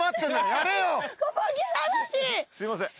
すいません。